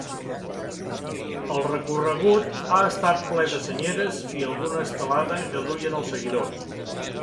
El recorregut ha estat ple de senyeres i alguna estelada que duien els seguidors.